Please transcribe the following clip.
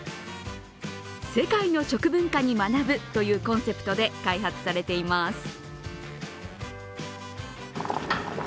「世界の食文化に学ぶ」というコンセプトで開発されています。